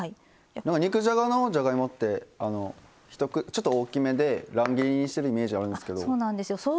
肉じゃがのじゃがいもってちょっと大きめで乱切りにしているイメージあるんですけど。